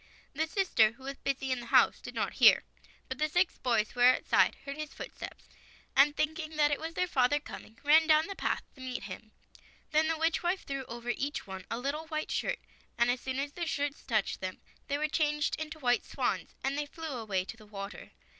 The sister, who was busy in the house, did not hear; but the six boys, who were outside, heard the footsteps, and thinking it was their father coming, ran down the path to meet him. Then the witch wife threw over each one a little white shirt, and as soon as the shirts touched them, they were changed into white swans, and they flew away to the water.